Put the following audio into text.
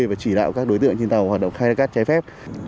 và chỉ đạo các đối tượng trên tàu hoạt động khai thác cát trái phép